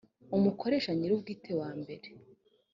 umukoresha nyirubwite wa mbere